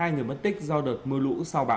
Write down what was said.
hai người mất tích do đợt mưa lũ